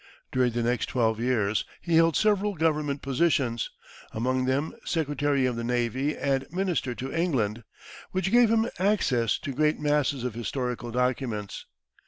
During the next twelve years he held several government positions, among them Secretary of the Navy and Minister to England, which gave him access to great masses of historical documents.